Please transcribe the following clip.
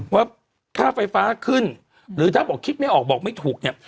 ว่าค่าไฟฟ้าขึ้นหรือถ้าบอกคิดไม่ออกบอกไม่ถูกเนี่ย